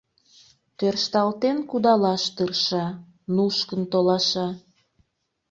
Тӧршталтен кудалаш тырша, нушкын толаша...